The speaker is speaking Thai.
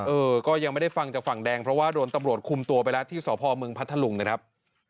เออก็ยังไม่ได้ฟังจากฝั่งแดงเพราะว่าโดนตำรวจคุมตัวไปแล้วที่สพมพัทธลุงนะครับ